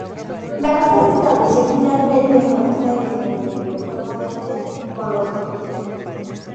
Barraza se estableció finalmente en Buenos Aires donde vivió con modestia con los suyos.